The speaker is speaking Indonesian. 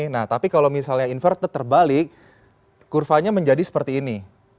nah tapi kalau misalnya inverted terbalik kurvanya menjadi seperti ini